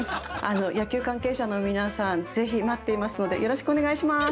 野球関係者の皆さん是非待っていますのでよろしくお願いします。